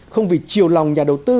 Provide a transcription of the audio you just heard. không vì chiều lòng nhà đầu tư